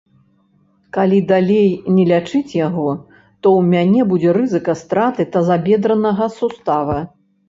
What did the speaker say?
Калі далей не лячыць яго, то ў мяне будзе рызыка страты тазабедранага сустава.